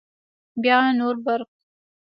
بیا نور برق